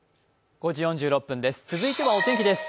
続いてはお天気です。